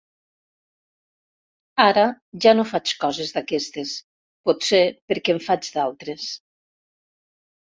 Ara ja no faig coses d'aquestes, potser perquè en faig d'altres.